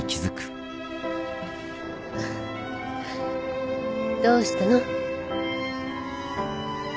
どうしたの。